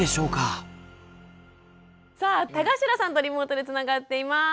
さあ田頭さんとリモートでつながっています。